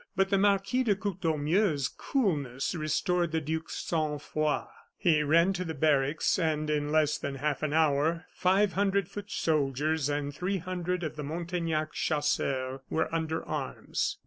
But the Marquis de Courtornieu's coolness restored the duke's sang froid. He ran to the barracks, and in less than half an hour five hundred foot soldiers and three hundred of the Montaignac chasseurs were under arms.